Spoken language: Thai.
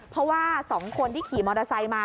เพราะว่า๒คนที่ขี่มอเตอร์ไซค์มา